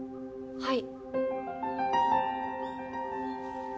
はい。